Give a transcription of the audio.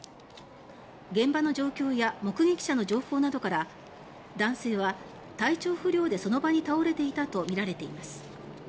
現場の状況や目撃者の情報などから男性は体調不良でその場に倒れていたとみられています。